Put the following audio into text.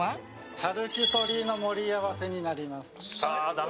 シャルキュトリーの盛り合わせになります。